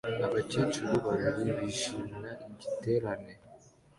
Abakecuru babiri bishimira igiterane